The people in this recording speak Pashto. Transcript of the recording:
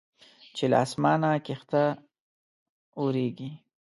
چې له اسمانه کښته اوریږي